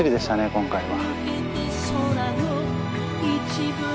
今回は。